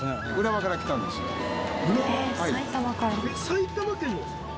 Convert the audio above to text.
埼玉県のですか？